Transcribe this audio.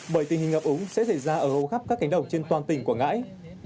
bởi tình hình ngập úng sẽ xảy ra ở hầu khắp các cánh đồng trên toàn tỉnh quảng ngãi